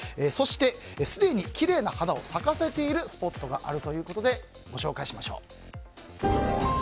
そして、すでにきれいな花を咲かせているスポットがあるということでご紹介しましょう。